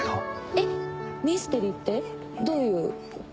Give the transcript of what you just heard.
えっミステリーってどういう作家さんの？